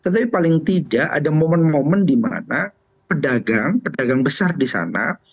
tapi paling tidak ada momen momen dimana pedagang pedagang besar disana